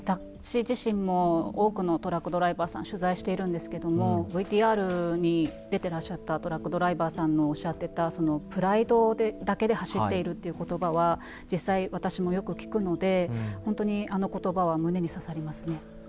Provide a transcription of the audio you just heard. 私自身も多くのトラックドライバーさん取材しているんですけどもＶＴＲに出てらっしゃったトラックドライバーさんのおっしゃってたプライドだけで走っているっていう言葉は実際私もよく聞くのでほんとにあの言葉は胸に刺さりますね。